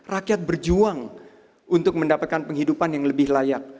rakyat berjuang untuk mendapatkan penghidupan yang lebih layak